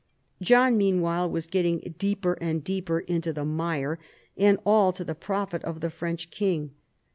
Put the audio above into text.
John meanwhile was getting deeper and deeper into the mire, and all to the profit of the French king.